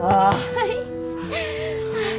はい。